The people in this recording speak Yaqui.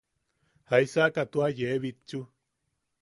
¿Jaisakai tua yee bitchu?